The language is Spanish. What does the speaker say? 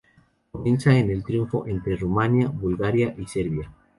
Comienza en el trifinio entre Rumania, Bulgaria y Serbia.